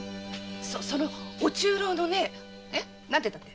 そのお中臈の何て言ったっけ？